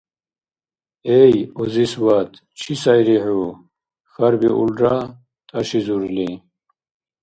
— Эй, узис ват, чи сайри хӀу? — хьарбиулра, тӀашизурли.